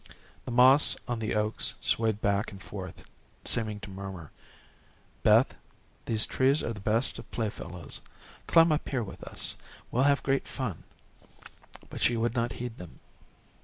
The moss on the oaks swayed back and forth, seeming to murmur, "Beth, these trees are the best of playfellows. Climb up here with us. We'll have great fun," but she would not heed them.